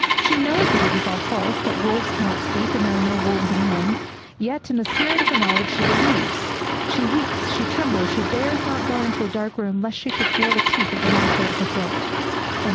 She knows that it is all false, that wolves cannot speak, that there are no wolves in England. Yet, in spite of the knowledge, she believes; she weeps; she trembles; she dares not go into a dark room lest she should feel the teeth of the monster at her throat.'